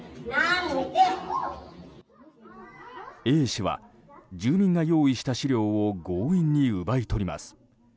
Ａ氏は住民が用意した資料を強引に奪い取ります。